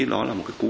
nó là một cái cú